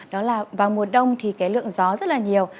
đó là vào mùa đông thì cái lượng gió rất là nhiều